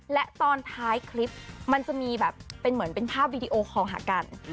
และตอนท้ายคลิปมันจะมีแบบเป็นเหมือนเป็นภาพวีดีโอคอลหากัน